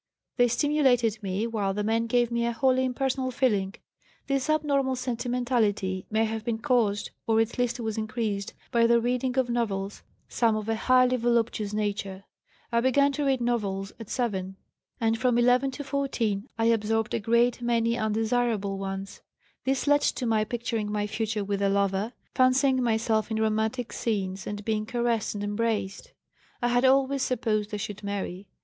They stimulated me, while the men gave me a wholly impersonal feeling. This abnormal sentimentality may have been caused, or at least was increased, by the reading of novels, some of a highly voluptuous nature. I began to read novels at 7, and from 11 to 14 I absorbed a great many undesirable ones. This lead to my picturing my future with a lover, fancying myself in romantic scenes and being caressed and embraced. I had always supposed I should marry.